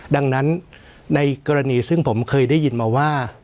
ดังนั้นในกรณีซึ่งผมเคยได้ยินมาว่า